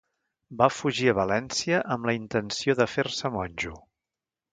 Va fugir a València amb la intenció de fer-se monjo.